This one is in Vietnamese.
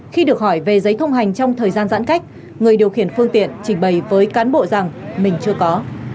khi được hỏi về giấy thông hành trong thời gian giãn cách người điều khiển phương tiện trình bày với cán bộ rằng mình chưa có